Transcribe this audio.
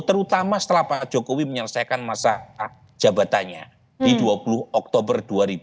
terutama setelah pak jokowi menyelesaikan masa jabatannya di dua puluh oktober dua ribu dua puluh